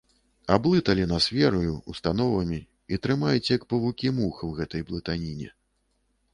Аблыталі нас вераю, установамі і трымаюць, як павукі мух у гэтай блытаніне.